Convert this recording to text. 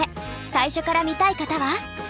最初から見たい方は。